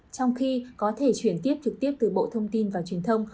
trong khi có thể chuyển tiếp trực tiếp từ bộ thông tin và truyền thông